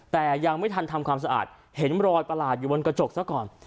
แต่ยังไม่ทันทำความสะอาดเห็นรอยประหลาดอยู่บนกระจกซะก่อน